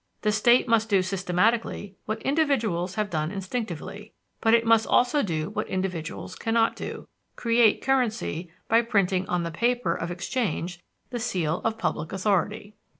The state must do systematically what individuals have done instinctively; but it must also do what individuals cannot do create currency by printing on the paper of exchange the seal of public authority.